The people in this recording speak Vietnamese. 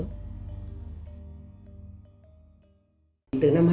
từ năm hai nghìn một mươi sáu